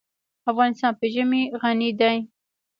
افغانستان په ژمی غني دی.